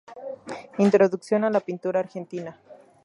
Introducción a la Pintura Argentina".